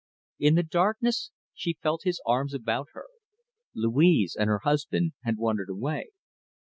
In the darkness she felt his arms about her. Louise and her husband had wandered away.